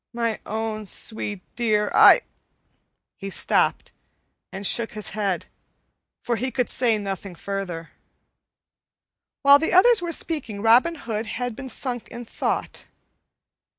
My own sweet dear, I " He stopped and shook his head, for he could say nothing further. While the others were speaking, Robin Hood had been sunk in thought.